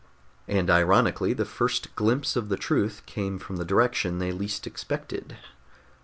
And, ironically, the first glimpse of the truth came from the direction they least expected.